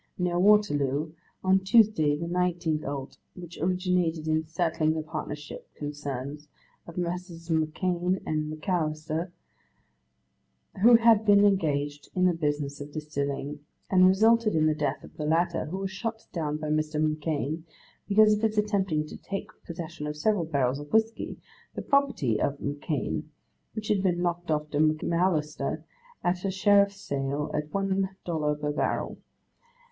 near Waterloo, on Tuesday the 19th ult., which originated in settling the partnership concerns of Messrs. M'Kane and M'Allister, who had been engaged in the business of distilling, and resulted in the death of the latter, who was shot down by Mr. M'Kane, because of his attempting to take possession of seven barrels of whiskey, the property of M'Kane, which had been knocked off to M'Allister at a sheriff's sale at one dollar per barrel.